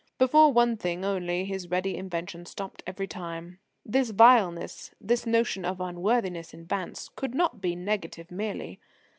Before one thing only his ready invention stopped every time. This vileness, this notion of unworthiness in Vance, could not be negative merely.